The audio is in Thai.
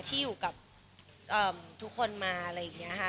ที่อยู่กับทุกคนมาอะไรอย่างนี้ค่ะ